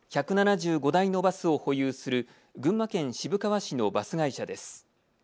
１７５台のバスを保有する群馬県渋川市のバス会社です。